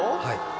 はい。